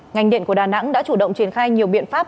ngành điện của đà nẵng đã chủ động triển khai nhiều biện pháp